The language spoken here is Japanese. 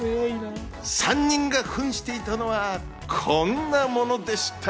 ３人が扮していたのはこんなものでした。